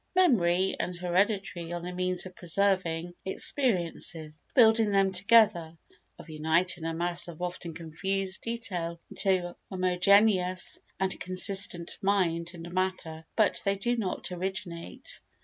Memory and heredity are the means of preserving experiences, of building them together, of uniting a mass of often confused detail into homogeneous and consistent mind and matter, but they do not originate.